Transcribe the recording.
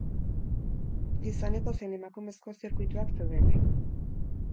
Gizoneko zein emakumezko zirkuituak zeuden.